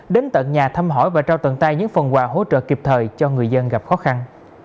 đến tận nhà thăm hỏi và trao tận tay những phần quà hỗ trợ kịp thời cho người dân gặp khó khăn